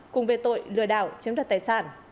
cùng về tội lừa đảo chiếm đoạt tài sản